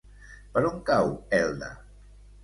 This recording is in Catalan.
Per on cau Elda?